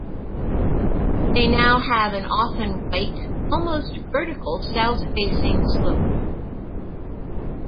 They now have an often white, almost vertical south-facing slope.